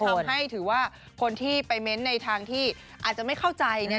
ทำให้ถือว่าคนที่ไปเม้นต์ในทางที่อาจจะไม่เข้าใจเนี่ย